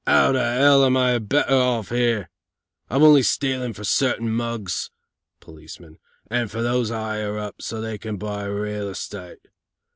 'Ow to 'Ell am I better off here? I'm only stealin' for certain mugs (policemen) and fer those 'igher up, so they can buy real estate.